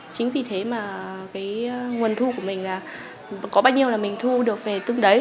chính vì thế mà cái nguồn thu của mình có bao nhiêu là mình thu được về tương đấy